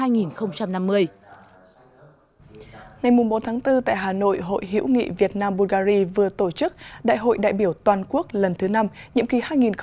ngày bốn tháng bốn tại hà nội hội hiểu nghị việt nam bulgari vừa tổ chức đại hội đại biểu toàn quốc lần thứ năm nhiệm kỳ hai nghìn hai mươi bốn hai nghìn hai mươi bốn